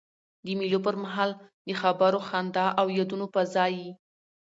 د مېلو پر مهال د خبرو، خندا او یادونو فضا يي.